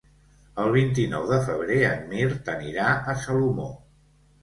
El vint-i-nou de febrer en Mirt anirà a Salomó.